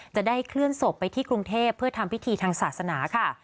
จะได้เคลื่อนศพไปที่กรุงเทพเพื่อทำพิธีทางศาสนาค่ะ